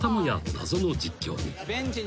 謎の実況に］